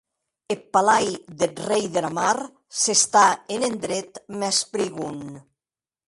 Eth palai deth Rei dera Mar s'està en endret mès prigond.